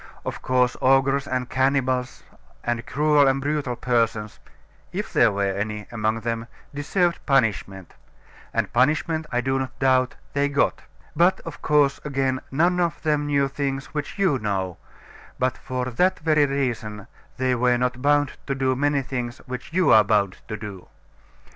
Of course, ogres and cannibals, and cruel and brutal persons (if there were any among them), deserved punishment and punishment, I do not doubt, they got. But, of course, again, none of them knew things which you know; but for that very reason they were not bound to do many things which you are bound to do.